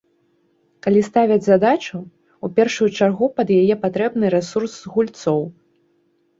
Калі ставяць задачу, у першую чаргу пад яе патрэбны рэсурс з гульцоў.